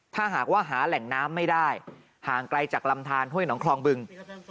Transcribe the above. ถ้าหากว่าหาแหล่งน้ำไม่ได้ห่างไกลจากลำทานห้วยหนองคลองบึง